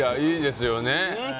いいですよね。